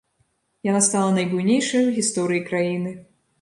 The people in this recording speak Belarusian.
Яна стала найбуйнейшай у гісторыі краіны.